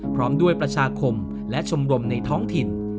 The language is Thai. พร้อมด้วยประชาคมและชมรมในท้องถิ่น